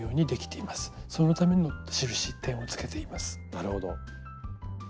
なるほど。